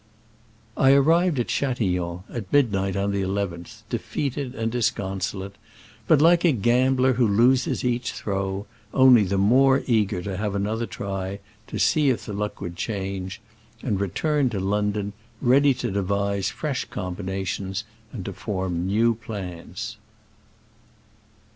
I arrived at Chatillon at midnight on the nth, defeated and disconsolate, but, like a gambler who loses each throw, only" the more eager to have another try, to see if the luck would change; anTi returned to London ready to de vise fresh combinations and to form new plans.